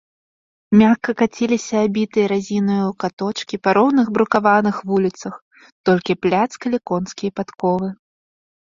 Мякка каціліся аббітыя разінаю каточкі па роўных брукаваных вуліцах, толькі пляцкалі конскія подковы.